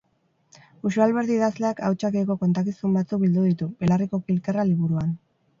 Uxue Alberdi idazleak Ahotsak-eko kontakizun batzuk bildu ditu "Belarriko kilkerra" liburuan.